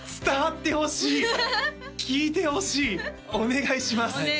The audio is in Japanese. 伝わってほしい聴いてほしいお願いします